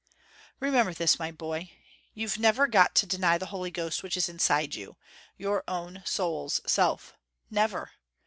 "Remember this, my boy: you've never got to deny the Holy Ghost which is inside you, your own soul's self. Never.